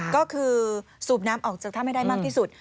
ก็คือสูบน้ำออกจากถ้ำให้ได้มากที่สุด